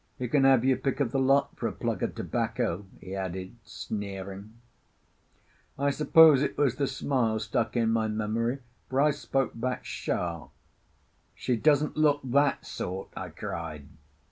You can have your pick of the lot for a plug of tobacco," he added, sneering. I suppose it was the smile stuck in my memory, for I spoke back sharp. "She doesn't look that sort," I cried.